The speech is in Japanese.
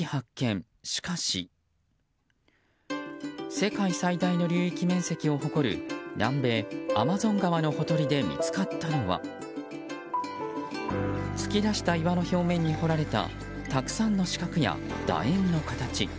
世界最大の流域面積を誇る南米アマゾン川のほとりで見つかったのは突き出した岩の表面に彫られたたくさんの四角や楕円の形。